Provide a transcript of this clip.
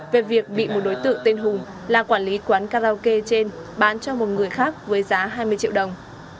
về việc bị một đối tượng tên hùng là quản lý quán karaoke trên bán cho một người khác với giá hai mươi triệu đồng